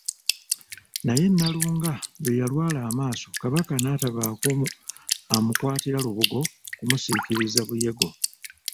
Naye Nnalunga lwe yalwala amaaso, Kabaka n'atabaako amukwatira lubugo kumusiikiriza Buyego.